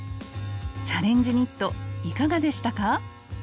「チャレンジニット」いかがでしたか？